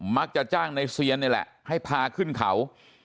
มักจะจ้างในเซียนนี่แหละให้พาขึ้นเขา